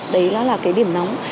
đấy đó là cái điểm nóng